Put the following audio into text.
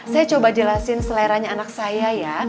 saya coba jelasin seleranya anak saya ya